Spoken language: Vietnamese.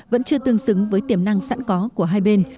vẫn chưa tương xứng với tiềm năng sẵn có của hai bên